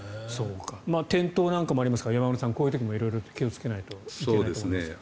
転倒なんかもありますから山村さん、こういう時も色々気をつけないといけないと思いますが。